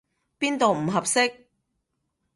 邊度唔合適？